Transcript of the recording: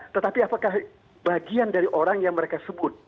tetapi apakah bagian dari orang yang mereka sebut